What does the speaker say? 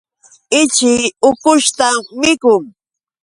Ichii ukushtam mikun.